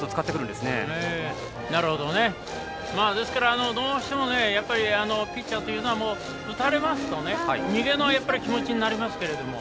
ですから、どうしてもピッチャーというのは打たれますと逃げの気持ちになりますが。